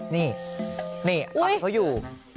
นี่ตอนนี้เขาอยู่